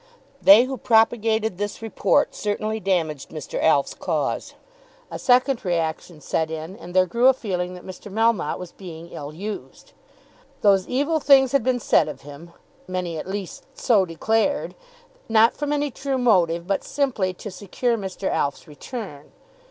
They who propagated this report certainly damaged Mr. Alf's cause. A second reaction set in, and there grew a feeling that Mr. Melmotte was being ill used. Those evil things had been said of him, many at least so declared, not from any true motive, but simply to secure Mr. Alf's return.